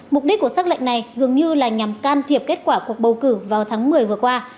mục đích của xác lệnh này dường như là nhằm can thiệp kết quả cuộc bầu cử vào tháng một mươi vừa qua